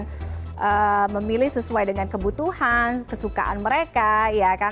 jadi orang pasti akan memilih sesuai dengan kebutuhan kesukaan mereka ya kan